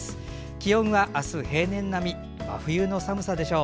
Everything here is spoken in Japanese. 気温は明日、平年並み真冬の寒さでしょう。